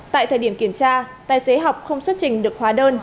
tại thời điểm kiểm tra tài xế học không xuất trình được hóa đơn